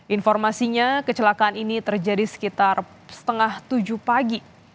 informasinya kecelakaan ini terjadi sekitar setengah tujuh pagi